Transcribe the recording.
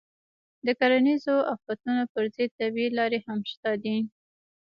د کرنیزو آفتونو پر ضد طبیعي لارې هم شته دي.